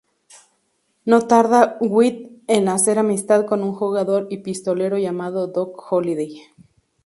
No tarda Wyatt en hacer amistad con un jugador y pistolero llamado Doc Holliday.